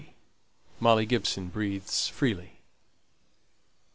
MOLLY GIBSON BREATHES FREELY.